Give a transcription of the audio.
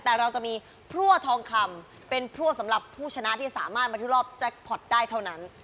แต่เราจะมีพลั่วทองคำเป็นพลั่วสำหรับผู้ชนะที่สามารถมาที่รอบแจ็คพอร์ตได้เท่านั้น